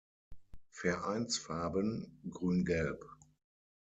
Vereinsfarben: Grün-gelb.